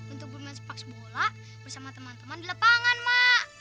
untuk bermain sepak bola bersama teman teman di lapangan mak